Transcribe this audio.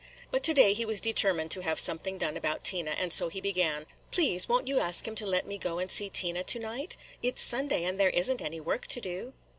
But to day he was determined to have something done about Tina, and so he began, "Please, won't you ask him to let me go and see Tina to night? It 's Sunday, and there is n't any work to do."